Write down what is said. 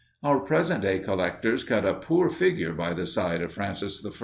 Our present day collectors cut a poor figure by the side of Francis I.